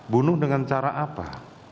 bunuh dengan cara apa